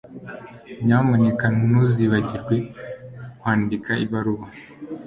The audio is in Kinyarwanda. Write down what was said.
Nyamuneka ntuzibagirwe kwandika ibaruwa